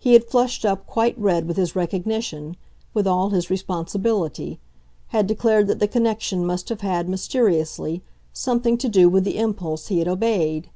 He had flushed up, quite red, with his recognition, with all his responsibility had declared that the connexion must have had, mysteriously, something to do with the impulse he had obeyed.